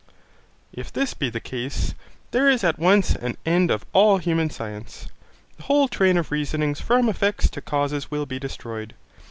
If this be the case, there is at once an end of all human science. The whole train of reasonings from effects to causes will be destroyed.